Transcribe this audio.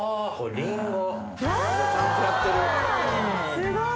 すごい！